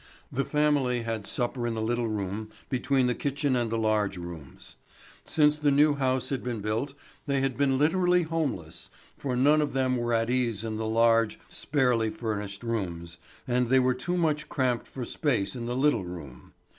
The family had supper in the little room between the kitchen and the large rooms. Since the new house had been built, they had been literally homeless, for none of them were at ease in the large, sparely furnished rooms, and they were too much cramped for space in the little room.